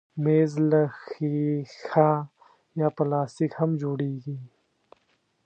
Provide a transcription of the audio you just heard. مېز له ښيښه یا پلاستیک هم جوړېږي.